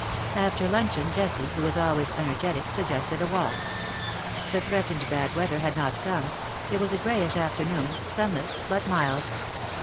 After luncheon Jessie, who was always ener getic, suggested a walk. The threatened bad weather had not come : it was a greyish afternoon, sunless but mild.